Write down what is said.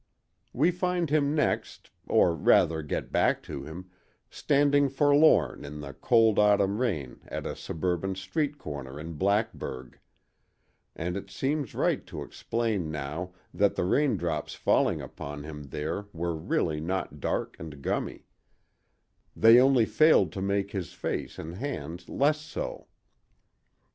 We find him next, or rather get back to him, standing forlorn in the cold autumn rain at a suburban street corner in Blackburg; and it seems right to explain now that the raindrops falling upon him there were really not dark and gummy; they only failed to make his face and hands less so.